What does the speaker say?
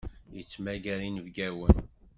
Yettmagar inebgawen.